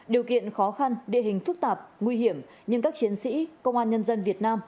điều kiện khó khăn địa hình phức tạp nguy hiểm nhưng các chiến sĩ công an nhân dân việt nam